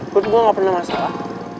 perut gua ga pernah masalah